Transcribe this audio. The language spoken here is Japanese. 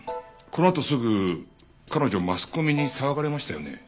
このあとすぐ彼女マスコミに騒がれましたよね？